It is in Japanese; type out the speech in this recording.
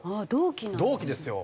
同期ですよ。